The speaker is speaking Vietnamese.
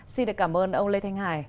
xin được cảm ơn ông lê thanh hải